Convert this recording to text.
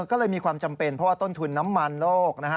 ก็เลยมีความจำเป็นเพราะว่าต้นทุนน้ำมันโลก